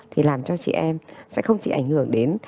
thì làm cho chị em sẽ không chỉ ảnh hưởng đến